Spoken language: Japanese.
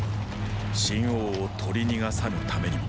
秦王を取り逃がさぬためにも。